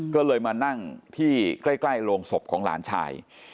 ก็เลยมานั่งที่ใกล้โรงศพของหลานชาย